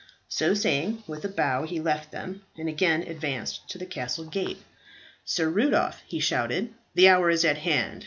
So saying, with a bow he left them, and again advanced to the castle gate. "Sir Rudolph," he shouted, "the hour is at hand.